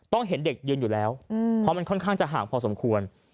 เห็นเด็กยืนอยู่แล้วเพราะมันค่อนข้างจะห่างพอสมควร